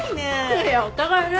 いやいやお互いね。